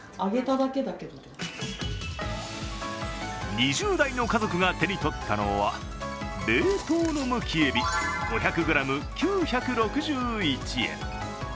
２０代の家族が手に取ったのは、冷凍のむきえび５００ｇ、９６１円。